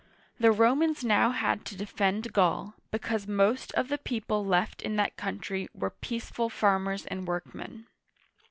The Romans now had to defend Gaul, because most of the people left in that country were peaceful farmers and workmen.